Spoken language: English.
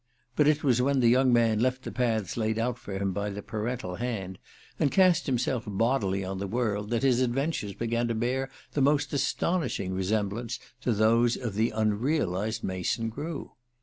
But it was when the young man left the paths laid out for him by the parental hand, and cast himself boldly on the world, that his adventures began to bear the most astonishing resemblance to those of the unrealized Mason Grew.